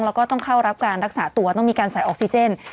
แล้วก็ต้องเข้ารับการรักษาตัวต้องมีการใส่ออกซิเจน